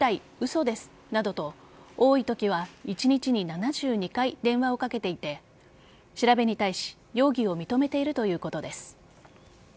嘘ですなどと多いときは一日に７２回電話をかけていて調べに対し容疑を認めているということです。